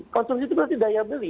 konsumsi itu berarti daya beli